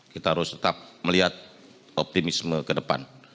kita harus tetap melihat optimisme ke depan